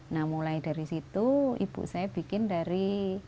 nah mulai dari situ ibu saya bikin dari